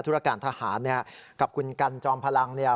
รการทหารเนี่ยกับคุณกันจอมพลังเนี่ย